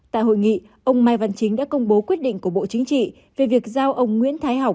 tại hội nghị ông mai văn chính đã công bố quyết định của bộ chính trị về việc giao ông nguyễn thái học